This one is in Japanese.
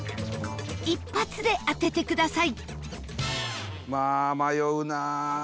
一発で当ててください